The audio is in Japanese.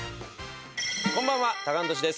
「こんばんはタカアンドトシです」